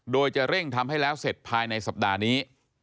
โดยจะเร่งทำให้แล้วเสร็จภายในสัปดาห์นี้